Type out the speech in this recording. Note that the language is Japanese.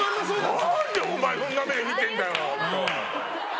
何でお前そんな目で見てんだよ。